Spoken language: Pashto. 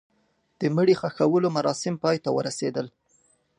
د مړي ښخولو مراسم پای ته ورسېدل.